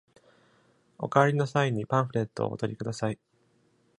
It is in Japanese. お帰りの際にパンフレットをお取りください。